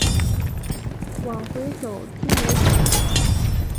往回走居无定所